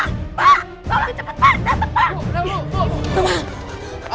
cepat datang pak